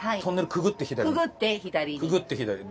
くぐって左に。